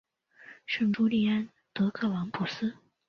圣朱利安德克朗普斯。